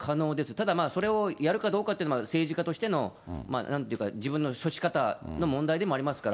ただ、それをやるかどうかというのは政治家としての、なんというか、自分の処し方の問題でもありますから。